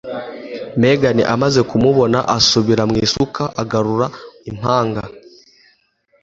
Megan amaze kumubona, asubira mu isuka agarura impanga.